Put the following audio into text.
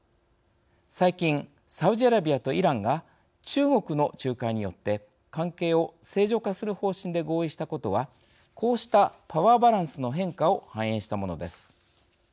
最近、サウジアラビアとイランが中国の仲介によって関係を正常化する方針で合意したことはこうしたパワーバランスの変化を反映したものです。